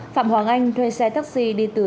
phạm hoàng anh thuê xe taxi đi tửu